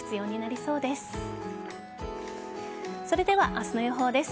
それでは明日の予報です。